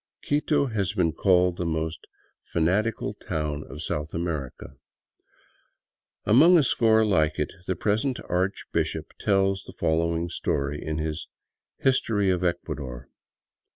Quito has been called the most fanatical town of South America. Among a score like it, the present archbishop tells the following story in his " History of Ecuador."